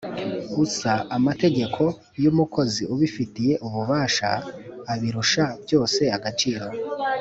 usa amategeko yumukozi ubifitiye ububasha abirusha byose agaciro